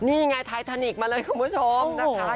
นี่ไงไททานิกมาเลยคุณผู้ชมนะคะ